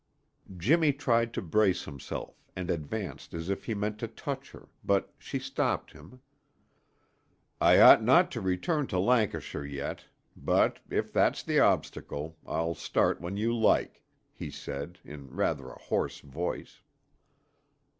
Jimmy tried to brace himself and advanced as if he meant to touch her, but she stopped him. "I ought not to return to Lancashire yet; but if that's the obstacle, I'll start when you like," he said, in rather a hoarse voice.